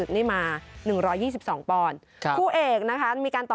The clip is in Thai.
ช่วยเทพธรรมไทยรัช